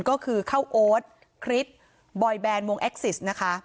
ก็คือเข้าโอ๊ดคริสต์บอยแบนมวงแอคซิส